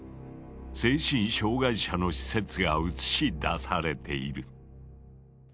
精神障害者の施設が映し出されている。